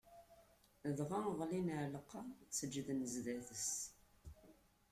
Dɣa ɣlin ɣer lqaɛa, seǧǧden zdat-s.